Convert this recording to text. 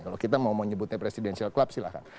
kalau kita mau menyebutnya presidential club silahkan